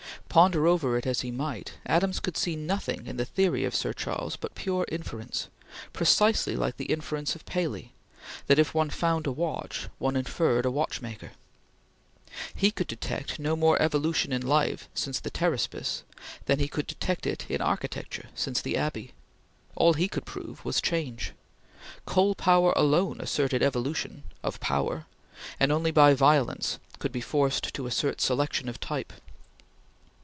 Ponder over it as he might, Adams could see nothing in the theory of Sir Charles but pure inference, precisely like the inference of Paley, that, if one found a watch, one inferred a maker. He could detect no more evolution in life since the Pteraspis than he could detect it in architecture since the Abbey. All he could prove was change. Coal power alone asserted evolution of power and only by violence could be forced to assert selection of type.